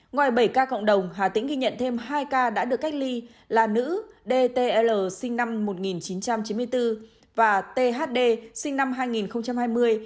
ngoài bảy ca cộng đồng hà tĩnh ghi nhận thêm hai ca đã được cách ly là nữ d t l sinh năm một nghìn chín trăm chín mươi bốn và t h d sinh năm hai nghìn hai mươi